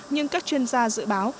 nhưng các chuyên gia dự báo